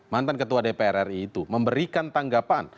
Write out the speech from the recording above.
mantan ketua dpr ri itu memberikan tanggapan